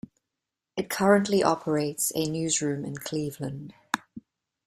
It currently operates a newsroom in Cleveland.